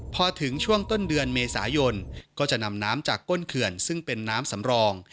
พอถึงช่วงต้นเดือนเมษายนก็จะนำน้ำจากก้นเขื่อนซึ่งเป็นน้ำสำรอง